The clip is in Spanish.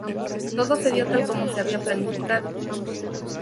Todo se dio tal como se había planificado.